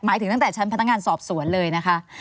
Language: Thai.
ถึงตั้งแต่ชั้นพนักงานสอบสวนเลยนะคะ